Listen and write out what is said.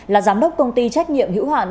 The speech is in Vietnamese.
là giám đốc công ty trách nhiệm hữu hoạn